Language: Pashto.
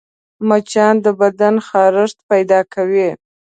مچان د بدن خارښت پیدا کوي